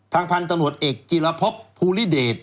พันธุ์ตำรวจเอกจิรพบภูริเดช